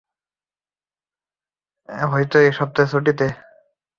হয়তো এই সপ্তাহের ছুটিতে।